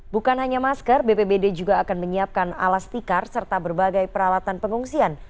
bukan hanya masker bpbd juga akan menyiapkan alas tikar serta berbagai peralatan pengungsian